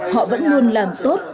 họ vẫn luôn làm tốt